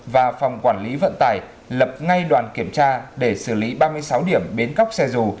và phòng quản lý vận tải lập ngay đoàn kiểm tra để xử lý ba mươi sáu điểm bến cóc xe dù